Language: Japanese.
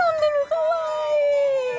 かわいい！